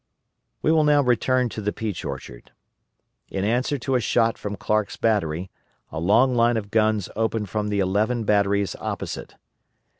We will now return to the Peach Orchard. In answer to a shot from Clark's battery a long line of guns opened from the eleven batteries opposite.